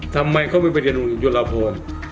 ทำไมมันเค้าไม่ไปเรียนวงงี้ยุลพล